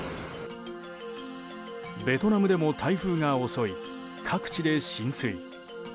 ベトナムでも台風が襲い各地で浸水。